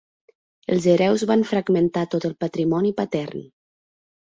Els hereus van fragmentar tot el patrimoni patern.